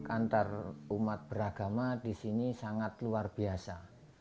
antarumat beragama di sini sangat luar biasa